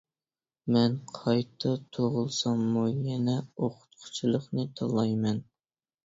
مەن قايتا تۇغۇلساممۇ يەنە ئوقۇتقۇچىلىقنى تاللايمەن.